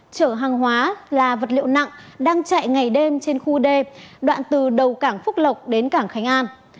chở hàng hóa là vật liệu nặng đang chạy ngày đêm trên khu d đoạn từ đầu cảng phúc lộc đến cảng khánh an